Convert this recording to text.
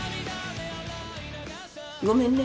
ごめんね。